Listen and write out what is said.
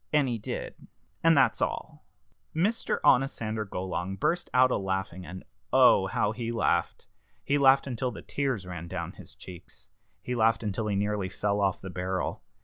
And he did. And that's all." Mr. Onosander Golong burst out a laughing, and oh! how he laughed! He laughed until the tears ran down his cheeks. He laughed until he nearly fell off the barrel.